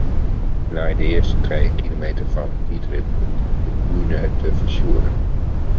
Nei de earste trije kilometer fan 'e tiidrit begûn er te fersuorjen.